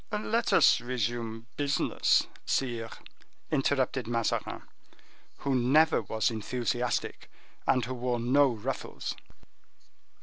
"Let us resume business, sire," interrupted Mazarin, who never was enthusiastic, and who wore no ruffles.